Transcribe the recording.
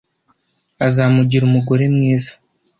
Azamugira umugore mwiza.